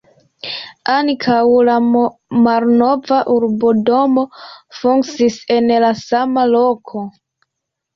Ankaŭ la malnova urbodomo funkciis en la sama loko.